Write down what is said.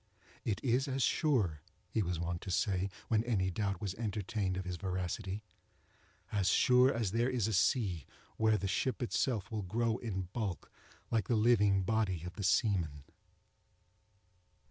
"It is as sure," he was wont to say, when any doubt was entertained of his veracity, "as sure as there is a sea where the ship itself will grow in bulk like the living body of the seaman."